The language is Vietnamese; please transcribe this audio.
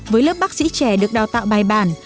với lớp bác sĩ trẻ được đào tạo bài bản